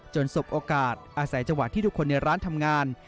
สบโอกาสอาศัยจังหวะที่ทุกคนในร้านทำงาน